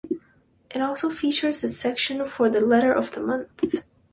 It also features a section for the "Letter of the Month".